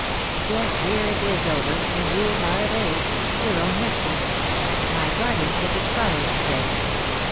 ^' Yes, dear, it is over, and you are of age — your own mistress. My guardianship expires to day.